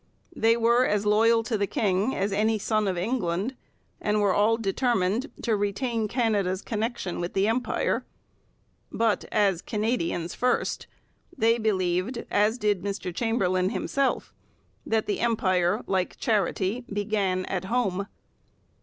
They were as loyal to the king as any son of England, and were all determined to retain Canada's connection with the Empire. But, as Canadians first, they believed, as did Mr Chamberlain himself, that the Empire, like charity, began at home.